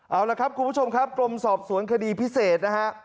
เอาละครับคุณผู้ชมครับกรมสอบสวนคดีพิเศษนะฮะ